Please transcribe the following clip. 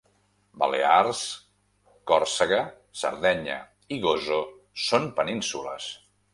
Balears, Còrsega, Sardenya i Gozo són penínsules